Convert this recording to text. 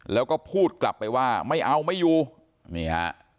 แล้วก็พูดกลับไปว่าไม่เอาไม่อยู่นี่ฮะ